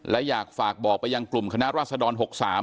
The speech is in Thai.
และอยากฝากบอกไปยังกลุ่มคณะรัศดร๖๓